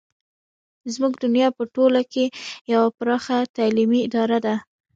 زموږ دنیا په ټوله کې یوه پراخه تعلیمي اداره ده.